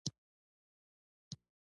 پېغله له کوره راووته غوږونه سپین وو.